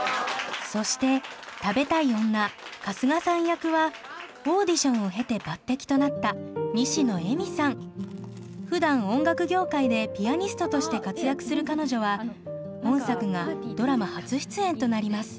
そして食べたい女春日さん役はオーディションを経て抜てきとなったふだん音楽業界でピアニストとして活躍する彼女は本作がドラマ初出演となります。